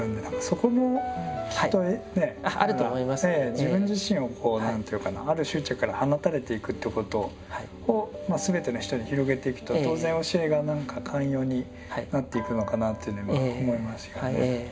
自分自身をこう何というかなある執着から放たれていくということをすべての人に広げていくと当然教えが何か寛容になっていくのかなというのは今思いますよね。